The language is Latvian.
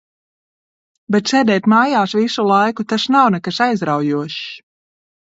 Bet sēdēt mājās visu laiku, tas nav nekas aizraujošs.